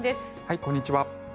こんにちは。